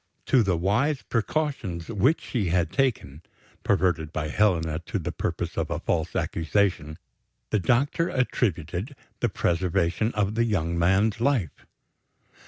To the wise precautions which she had taken perverted by Helena to the purpose of a false accusation the doctor attributed the preservation of the young man's life.